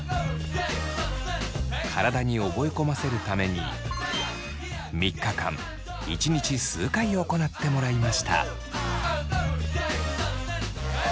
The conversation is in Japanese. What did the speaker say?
体に覚え込ませるために３日間１日数回行ってもらいました。